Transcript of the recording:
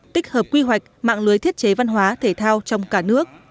tích hợp quy hoạch mạng lưới thiết chế văn hóa thể thao trong cả nước